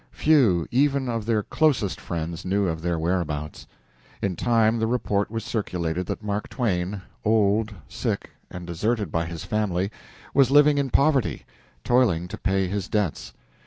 Few, even of their closest friends, knew of their whereabouts. In time the report was circulated that Mask Twain, old, sick, and deserted by his family, was living in poverty, toiling to pay his debts.